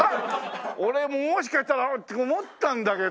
俺もしかしたらって思ったんだけど。